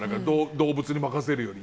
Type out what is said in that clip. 動物に任せるより。